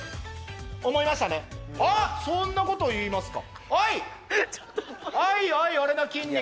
あっそんなこと言いますか？